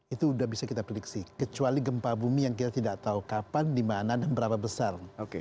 itu sudah bisa kita prediksi kecuali gempa bumi yang kita tidak tahu kapan di mana dan berapa besar